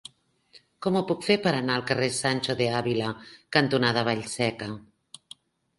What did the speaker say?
Com ho puc fer per anar al carrer Sancho de Ávila cantonada Vallseca?